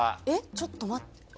ちょっと待って。